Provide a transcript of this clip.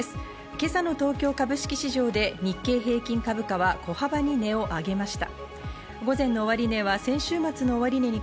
今朝の東京株式市場で日経平均株価は小幅に値を上げました。